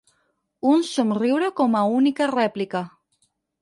Un somriure com a única rèplica.